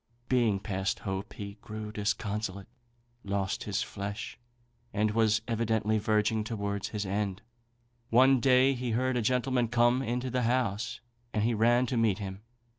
Being past hope, he grew disconsolate, lost his flesh, and was evidently verging towards his end. One day he heard a gentleman come into the house, and he ran to meet him.